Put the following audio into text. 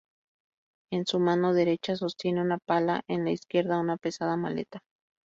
En su mano derecha sostiene una pala, en la izquierda, una pesada maleta.